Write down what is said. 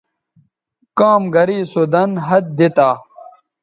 کام گرے سو دَن ہَت دی تا